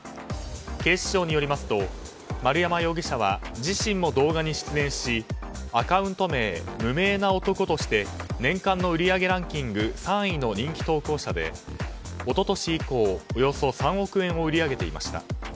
警視庁によりますと丸山容疑者は自身も動画に出演しアカウント名、無名な男として年間の売上ランキング３位の人気投稿者で一昨年以降、およそ３億円を売り上げていました。